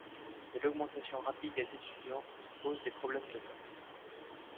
Mais l'augmentation rapide des étudiants pose des problèmes de place.